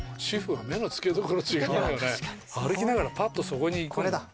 歩きながらパッとそこに。